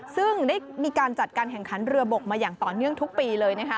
ซึ่งได้มีการจัดการแข่งขันเรือบกมาอย่างต่อเนื่องทุกปีเลยนะคะ